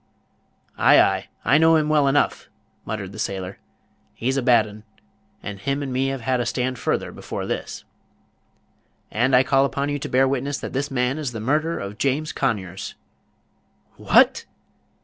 "Ay, ay, I know him well enough," muttered the sailor; "he's a bad 'un; and him and me have had a stand further, before this." "And I call upon you to bear witness that this man is the murderer of James Conyers!" "WHAT?"